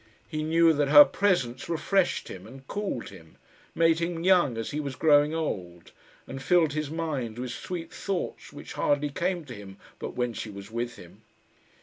He knew that her presence refreshed him and cooled him made him young as he was growing old, and filled his mind with sweet thoughts which hardly came to him but when she was with him.